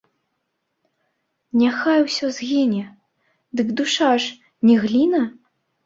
Няхай усё згіне, дык душа ж не гліна?